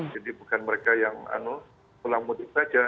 jadi bukan mereka yang pulang mudik saja